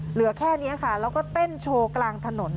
เหลือแค่นี้ค่ะแล้วก็เต้นโชว์กลางถนน